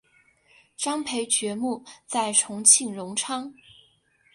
张培爵墓在重庆荣昌。